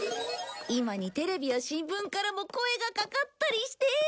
今にテレビや新聞からも声がかかったりして。